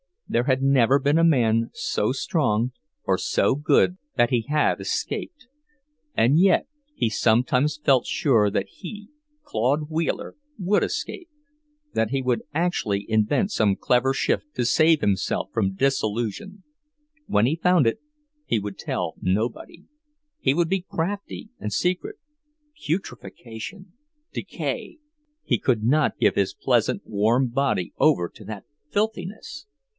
There had never been a man so strong or so good that he had escaped. And yet he sometimes felt sure that he, Claude Wheeler, would escape; that he would actually invent some clever shift to save himself from dissolution. When he found it, he would tell nobody; he would be crafty and secret. Putrefaction, decay.... He could not give his pleasant, warm body over to that filthiness!